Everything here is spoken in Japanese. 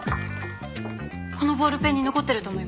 このボールペンに残ってると思います。